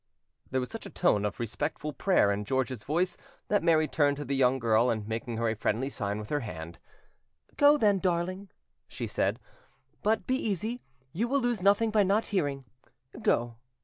There was such a tone of respectful prayer in George's voice that Mary turned to the young girl, and, making her a friendly sign with her hand— "Go, then, darling," said she; "but be easy, you will lose nothing by not hearing. Go."